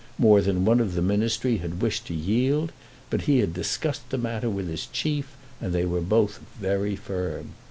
More than one of the Ministry had wished to yield; but he had discussed the matter with his Chief, and they were both very firm.